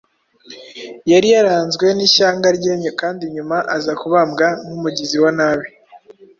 Yari yaranzwe n’ishyanga rye kandi nyuma aza kubambwa nk’umugizi wa nabi.